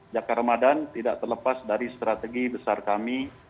jaka ramadan tidak terlepas dari strategi besar kami